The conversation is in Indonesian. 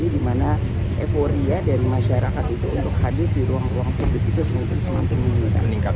di mana euforia dari masyarakat itu untuk hadir di ruang ruang publik itu semakin meningkat